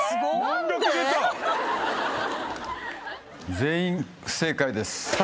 全員不正解です。